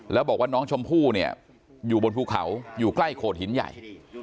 แล้วบอกว่าน้องชมพู่เนี่ยอยู่บนภูเขาอยู่ใกล้โขดหินใหญ่